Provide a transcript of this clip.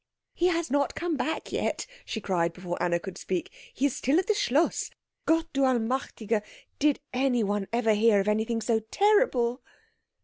"He has not come back yet," she cried before Anna could speak, "he is still at the Schloss. Gott Du Allmächtiger, did one ever hear of anything so terrible?"